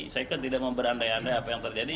saya kan tidak mau berandai andai apa yang terjadi